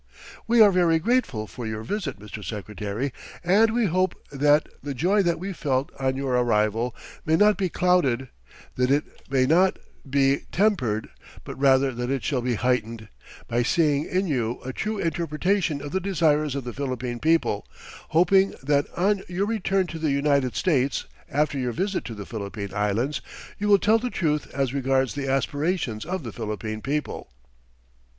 "We are very grateful for your visit, Mr. Secretary, and we hope that the joy that we felt on your arrival may not be clouded, that it may not be tempered, but rather that it shall be heightened, by seeing in you a true interpretation of the desires of the Philippine people, hoping that on your return to the United States after your visit to the Philippine Islands, you will tell the truth as regards the aspirations of the Philippine people."